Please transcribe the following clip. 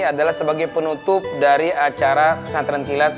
adalah sebagai penutup dari acara pesantren kilat